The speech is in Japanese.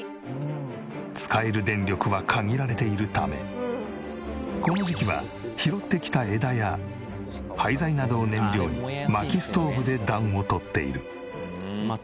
使える電力は限られているためこの時期は拾ってきた枝や廃材などを燃料に薪ストーブで暖をとっている。